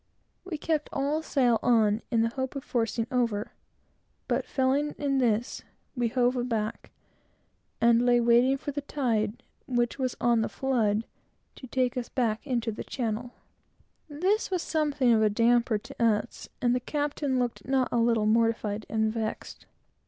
We kept all sail on, in the hope of forcing over, but failing in this, we hove aback, and lay waiting for the tide, which was on the flood, to take us back into the channel. This was somewhat of a damper to us, and the captain looked not a little mortified and vexed.